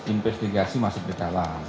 investigasi masih berjalan